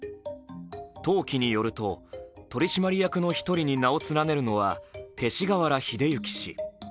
登記によると、取締役の１人に名を連ねるのは勅使河原秀行氏。